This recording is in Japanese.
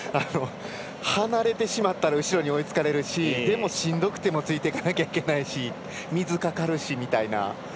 離れてしまったら後ろに追いつかれるしでもしんどくてもついていかないといけないし水かかるしみたいな。